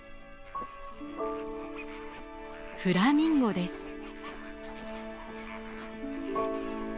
フラミンゴです。